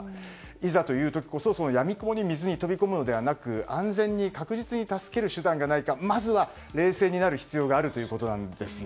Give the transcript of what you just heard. いざという時こそ、やみくもに水に飛び込むのではなく安全に確実に助ける手段がないかまずは冷静になる必要があるということです。